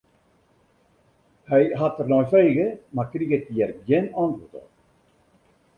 Hy hat der nei frege, mar kriget hjir gjin antwurd op.